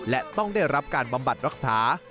และต้องได้รับการบำบัดรักษา